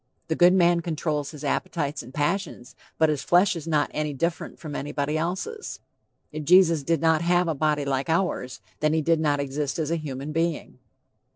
The good man controls his appetites and passions, but his flesh is not any different from anybody else's. If Jesus did not have a body like ours, then he did not exist as a human being.